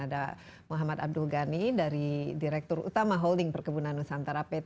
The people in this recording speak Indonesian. ada muhammad abdul ghani dari direktur utama holding perkebunan nusantara pt